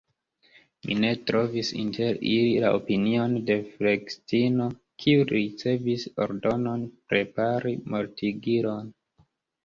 Mi ne trovis inter ili la opinion de flegistino, kiu ricevis ordonon prepari mortigilon.